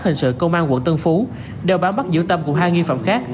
hình sự công an quận tân phú đeo bám bắt giữ tâm cùng hai nghi phạm khác